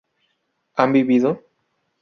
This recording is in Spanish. ¿han vivido?